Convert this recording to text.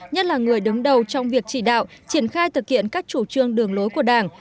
nhất là người đứng đầu trong việc chỉ đạo triển khai thực hiện các chủ trương đường lối của đảng